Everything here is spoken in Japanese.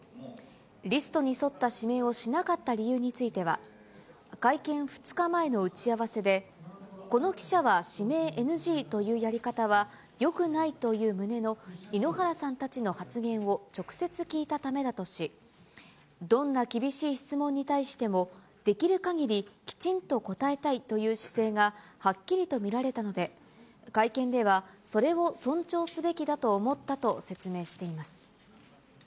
リストに沿った指名をしなかった理由については、会見２日前の打ち合わせで、この記者は指名ＮＧというやり方はよくないという旨の井ノ原さんたちの発言を直接聞いたためだとし、どんな厳しい質問に対しても、できるかぎりきちんと答えたいという姿勢がはっきりと見られたので、会見ではそれを尊重すべきだと思ったと説明しています。